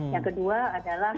yang kedua adalah